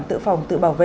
tự phòng tự bảo vệ